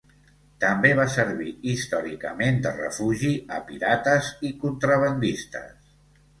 També va servir històricament de refugi a pirates i contrabandistes.